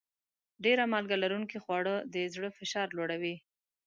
ډېر مالګه لرونکي خواړه د زړه فشار لوړوي.